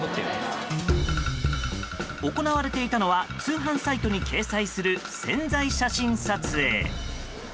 行われていたのは通販サイトに掲載する宣材写真撮影。